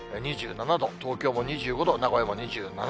２７度、東京も２５度、名古屋も２７度。